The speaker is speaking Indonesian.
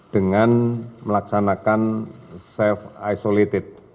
dengan melaksanakan self isolated